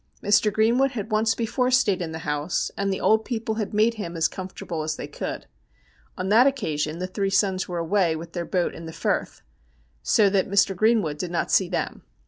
Mr. Greenwood had once before stayed in the house, and the old people had made him as comfortable as they could. On that occasion the three sons were away with their boat in the Firth, so that Mr. Greenwood did not see them.